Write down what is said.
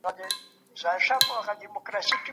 څنګه ویزه پر نورو هیوادونو اغیز کوي؟